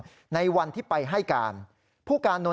เพราะว่ามีทีมนี้ก็ตีความกันไปเยอะเลยนะครับ